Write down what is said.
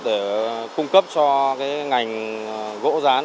để cung cấp cho cái ngành gỗ rán